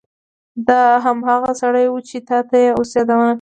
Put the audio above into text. دا هماغه سړی و چې تا یې اوس یادونه وکړه